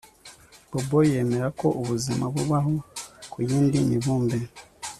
Bobo yemera ko ubuzima bubaho ku yindi mibumbe